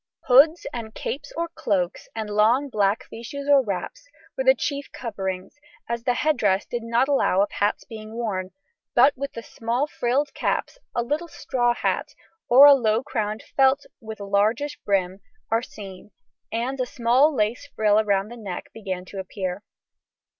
] Hoods and capes or cloaks, and long black fichus or wraps, were the chief coverings, as the head dress did not allow of hats being worn, but with the small frilled caps a little straw hat, or a low crowned felt with a largish brim, are seen, and a small lace frill round the neck began to appear.